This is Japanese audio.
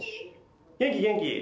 元気元気！